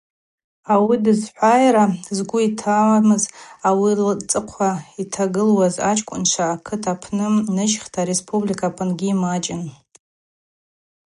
Ауи дызхӏвайра згвы йтамыз, ауи лцӏыхъва йтамгылуаз ачкӏвынчва, акыт апны ныжьхта ареспублика апынгьи ймачӏын.